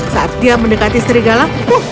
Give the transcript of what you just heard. saat dia mendekati serigala